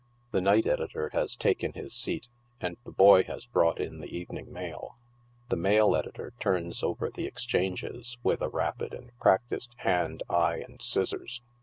The night editor has taken his seat, and the boy has brought in the evening mail. The mail editor turns over the exchanges with a rapid and practiced hand, eye and scissors.